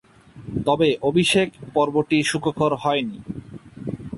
তবে, অভিষেক পর্বটি সুখকর হয়নি।